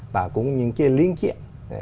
và cũng những cái linh kiện